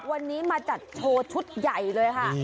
วันนี้มาจัดโชว์ชุดใหญ่เลยค่ะ